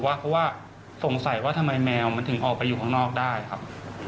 เพราะว่าสงสัยว่าทำไมแมวมันถึงออกไปอยู่ข้างนอกได้ครับ